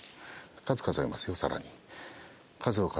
数数えますよさらに。